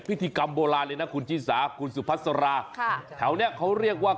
พิธีกรรมโบราณเลยนะคุณชิสาคุณสุพัสราค่ะแถวเนี้ยเขาเรียกว่า